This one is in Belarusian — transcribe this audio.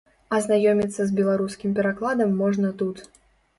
Азнаёміцца з беларускім перакладам можна тут.